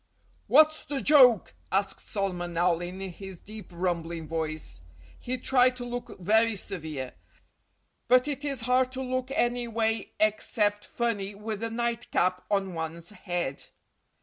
"What's the joke?" asked Solomon Owl in his deep, rumbling voice. He tried to look very severe. But it is hard to look any way except funny with a nightcap on one's head.